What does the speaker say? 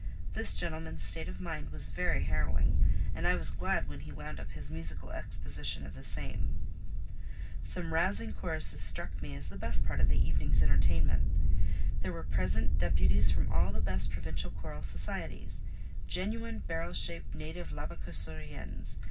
This gentleman's state of mind was very harrowing, and I was glad when he wound up his musical exposition of the same. Some rousing choruses struck me as the best part of the evening's entertainment. There were present deputies from all the best provincial choral societies; genuine, barrel shaped, native Labassecouriens.